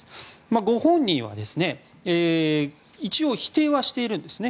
ご本人は一応否定しているんですね。